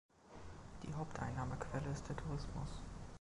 Die Haupteinnahmequelle ist der Tourismus.